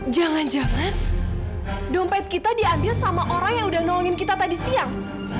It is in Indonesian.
jangan jangan dompet kita diambil sama orang yang udah nonin kita tadi siang